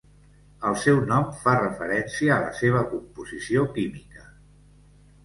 El seu nom fa referència a la seva composició química.